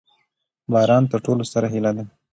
باران تر ټولو ستره هیله ده.